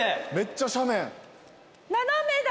斜めだ。